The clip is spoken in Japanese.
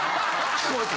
聞こえて？